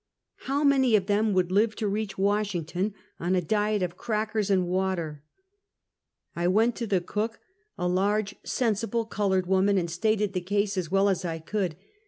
How many of them would live to reach Washington on a diet of crackers and water? I went to the cook, a large, sen Take Final Leave of Feedeeicksburg. 347 sible colored woman, and stated the case as well as I could.